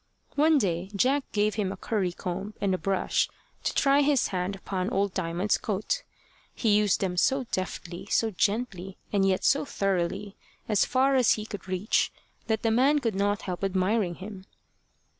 One day Jack gave him a curry comb and a brush to try his hand upon old Diamond's coat. He used them so deftly, so gently, and yet so thoroughly, as far as he could reach, that the man could not help admiring him.